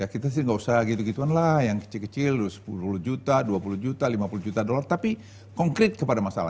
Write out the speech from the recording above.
kita sih nggak usah gitu gituan lah yang kecil kecil sepuluh juta dua puluh juta lima puluh juta dolar tapi konkret kepada masalah